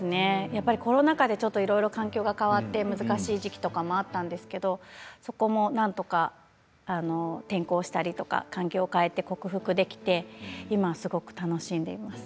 やっぱりコロナ禍でいろいろ環境が変わって難しい時期とかもあったんですけど、そこもなんとか転校したりとか環境を変えて克服できて今はすごく楽しんでいます。